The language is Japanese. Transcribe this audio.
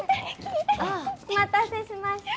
お待たせしました。